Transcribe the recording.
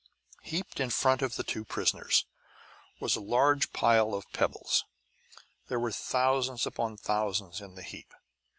Heaped in front of the two prisoners was a large pile of pebbles. There were thousands upon thousands in the heap.